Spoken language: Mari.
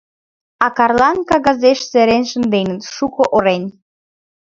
А Карлан кагазеш серен шынденыт: «Шуко орен».